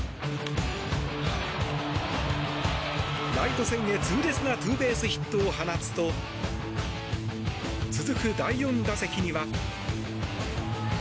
ライト線へ痛烈なツーベースヒットを放つと続く第４打席には。